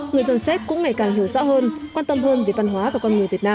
người dân sép cũng ngày càng hiểu rõ hơn quan tâm hơn về văn hóa và con người việt nam